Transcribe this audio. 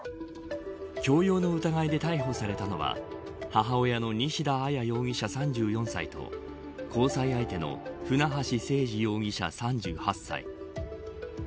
強要の疑いで逮捕されたのは母親の西田彩容疑者、３４歳と交際相手の船橋誠二容疑者、３８歳。